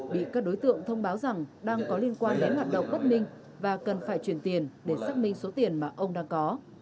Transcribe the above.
bị các đối tượng thông báo rằng đang có liên quan đến hoạt động bất minh và cần phải truyền tiền để xác minh số tiền mà ông đang có